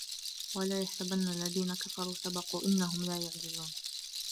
ولا يحسبن الذين كفروا سبقوا إنهم لا يعجزون